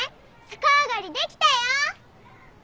逆上がりできたよ！